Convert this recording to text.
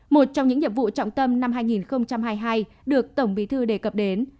một trong những nhiệm vụ trọng tâm năm hai nghìn hai mươi hai được tổng bí thư đề cập đến